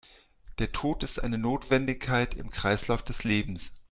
Der Tod ist eine Notwendigkeit im Kreislauf des Lebens.